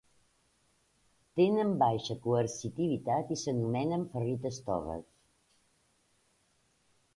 Tenen baixa coercitivitat i s'anomenen ferrites toves.